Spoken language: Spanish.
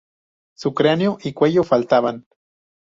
Su cráneo y cuello faltaban.